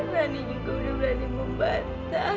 rani juga udah berani membatah